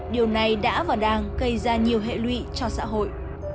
điều này đã và đang gây ra nhiều hệ lụy cho xã hội